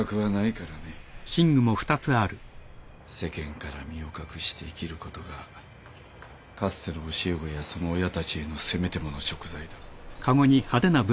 世間から身を隠して生きることがかつての教え子やその親たちへのせめてもの贖罪だ。